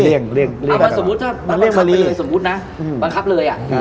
เอาสมมุติถ้าบังคับไปเลยสมมุตินะบังคับเลยอ่ะ